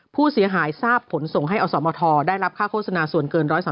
ผู้เสียหายทราบผลส่งให้อสมทรได้รับค่าโฆษณาส่วนเกิน๑๓